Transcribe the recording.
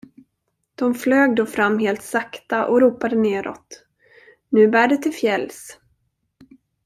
De flög då fram helt sakta och ropade neråt: Nu bär det till fjälls.